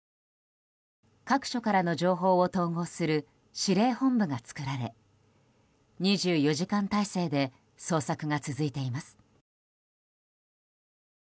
各所からの情報を統合する指令本部が作られ２４時間態勢で捜索が続いています。